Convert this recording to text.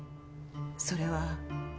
それは。